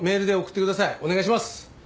お願いします！